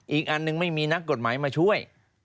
อีกอันหนึ่งไม่มีนักกฎหมายมาช่วย